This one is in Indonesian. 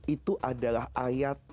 itu adalah ayat